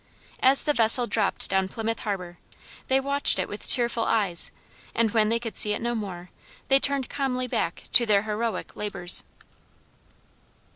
As the vessel dropped down Plymouth harbor, they watched it with tearful eyes, and when they could see it no more, they turned calmly back to their heroic labors.